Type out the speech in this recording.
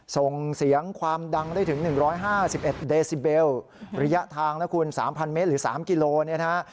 ส่งเสียงความดังได้ถึง๑๕๑เดซิเบลระยะทางนะคุณ๓๐๐เมตรหรือ๓กิโลเนี่ยนะฮะ